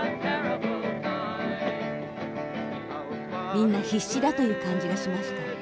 「みんな必死だという感じがしました。